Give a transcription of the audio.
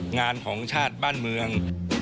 งานของชาติบ้านเมือง